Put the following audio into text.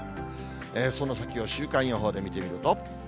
その先を週間予報で見てみると。